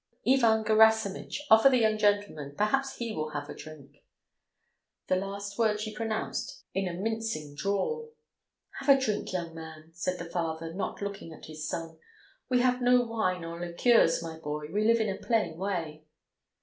Ivan Gerasimitch, offer the young gentleman, perhaps he will have a drink!" The last word she pronounced in a mincing drawl. "Have a drink, young man!" said the father, not looking at his son. "We have no wine or liqueurs, my boy, we live in a plain way."